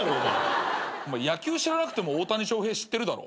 お前野球知らなくても大谷翔平知ってるだろ。